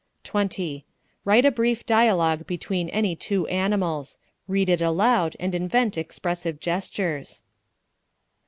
20. Write a brief dialogue between any two animals; read it aloud and invent expressive gestures.